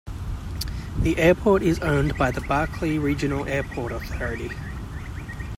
The airport is owned by the Barkley Regional Airport Authority.